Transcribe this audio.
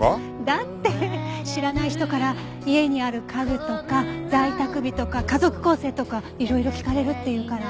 だって知らない人から家にある家具とか在宅日とか家族構成とかいろいろ聞かれるっていうから。